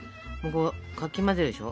かき混ぜるでしょ。